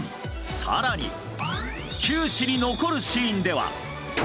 更に、球史に残るシーンでは。